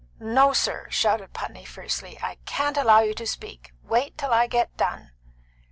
"No, sir!" shouted Putney fiercely; "I can't allow you to speak. Wait till I get done!"